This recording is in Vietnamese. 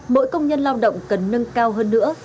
mỗi công nhân lao động cần nâng cao hơn nữa